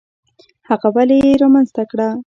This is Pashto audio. هغه ولې یې رامنځته کړه؟